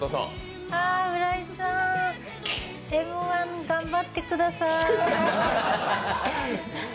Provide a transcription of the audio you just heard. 浦井さん、「Ｍ−１」頑張ってください。